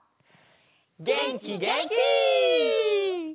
げんきげんき！